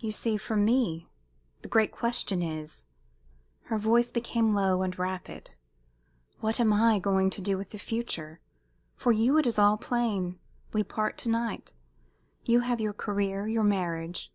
"You see, for me the great question is " her voice became low and rapid "What am I going to do with the future? For you it is all plain. We part to night. You have your career, your marriage.